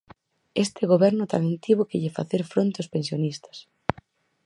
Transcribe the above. Este Goberno tamén tivo que lle facer fronte aos pensionistas.